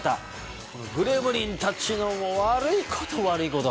このグレムリンたちのもう悪いこと悪いこと。